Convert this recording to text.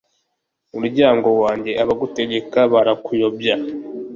muryango wanjye, abagutegeka barakuyobya